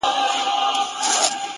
د رستمانو په نکلونو به ملنډي وهي!